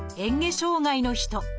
障害の人。